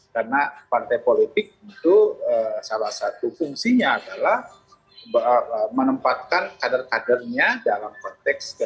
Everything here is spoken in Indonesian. karena partai politik itu salah satu fungsinya adalah menempatkan kader kadernya dalam konteks